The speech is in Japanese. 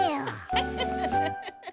ウフフフッ！